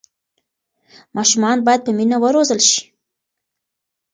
ماشومان باید په مینه وروزل شي.